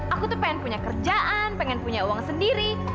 aku tuh pengen punya kerjaan pengen punya uang sendiri